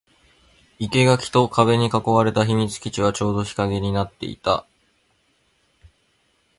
生垣と壁に囲われた秘密基地はちょうど日陰になっていた